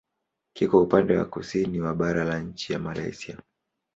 Kiko upande wa kusini wa bara la nchi ya Malaysia.